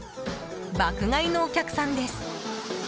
爆買いのお客さんです。